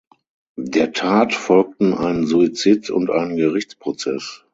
Der Tat folgten ein Suizid und ein Gerichtsprozess.